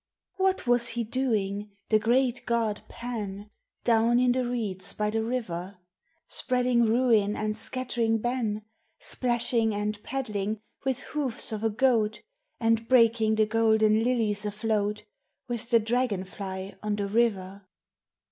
What was he doing, the great god Pan, Down in the reeds by the river ? Spreading ruin and scattering ban, Splashing and paddling with hoofs of a goat, And breaking the golden lilies afloat With the dragon fly on the river?